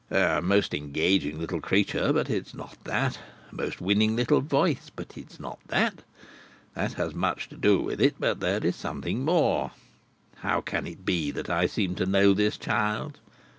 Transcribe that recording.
"A most engaging little creature, but it's not that. A most winning little voice, but it's not that. That has much to do with it, but there is something more. How can it be that I seem to know this child?